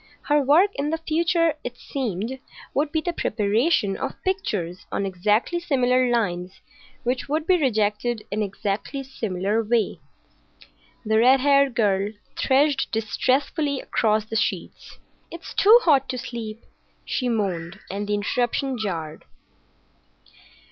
Her work in the future, it seemed, would be the preparation of pictures on exactly similar lines which would be rejected in exactly the same way——The red haired girl threshed distressfully across the sheets. "It's too hot to sleep," she moaned; and the interruption jarred.